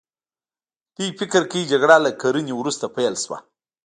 دوی فکر کوي جګړه له کرنې وروسته پیل شوه.